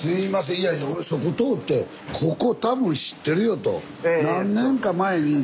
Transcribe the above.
いやいや俺そこ通ってここ多分知ってるよと。